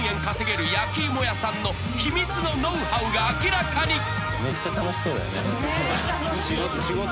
稼げる焼き芋屋さんの秘密のノウハウが明らかに］